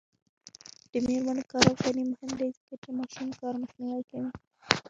د میرمنو کار او تعلیم مهم دی ځکه چې ماشوم کار مخنیوی کوي.